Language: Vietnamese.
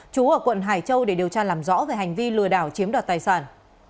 chú ở quận hải châu để điều tra làm rõ về hành vi lừa đảo chiếm đoạt tài sản